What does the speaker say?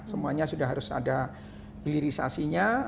semuanya sudah harus ada hilirisasinya